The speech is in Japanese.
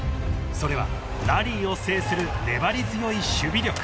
それはラリーを制する粘り強い守備力］